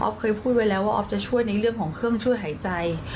เคยพูดไว้แล้วว่าออฟจะช่วยในเรื่องของเครื่องช่วยหายใจ